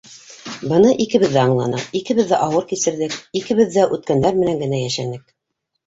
Быны икебеҙ ҙә аңланыҡ, икебеҙ ҙә ауыр кисерҙек, икебеҙ ҙә үткәндәр менән генә йәшәнек.